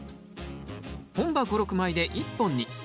本葉５６枚で１本に。